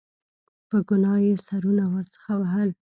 په ګناه یې سرونه ورڅخه وهل.